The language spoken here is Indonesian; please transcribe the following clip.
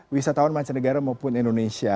wisatawan mancanegara maupun indonesia